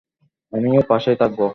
আমিও পাশেই থাকব।